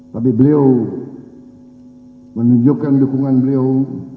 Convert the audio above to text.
tapi beliau menunjukkan dukungan beliau